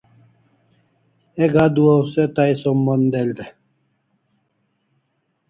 Ek adua o se tai som mon del